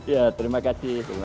ya terima kasih